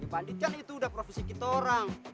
bandit kan itu udah profesi kita orang